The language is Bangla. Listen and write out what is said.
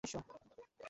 গিয়ে তাকে নিয়ে এসো।